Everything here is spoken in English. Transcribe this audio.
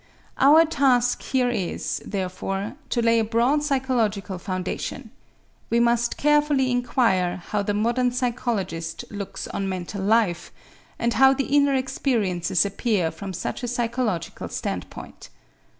Our task here is, therefore, to lay a broad psychological foundation. We must carefully inquire how the modern psychologist looks on mental life and how the inner experiences appear from such a psychological standpoint.